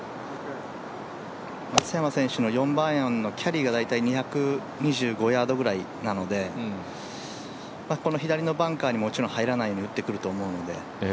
松山選手の４番アイアンのキャリーが２２５ヤードぐらいなのでこの左のバンカーにもちろん入らないように打ってくると思うので。